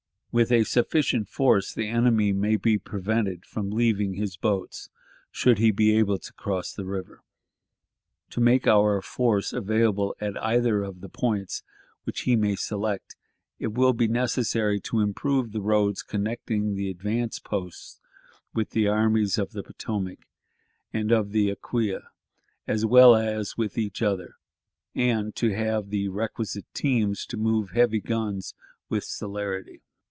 With a sufficient force, the enemy may be prevented from leaving his boats, should he be able to cross the river. To make our force available at either of the points which he may select, it will be necessary to improve the roads connecting the advance posts with the armies of the Potomac and of the Acquia, as well as with each other, and to have the requisite teams to move heavy guns with celerity....